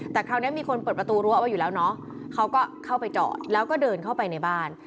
แต่คราวนี้มีคนเปิดประตูรั้วเอาไว้อยู่แล้วเนาะเขาก็เข้าไปจอดแล้วก็เดินเข้าไปในบ้าน